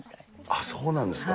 ああ、そうなんですか。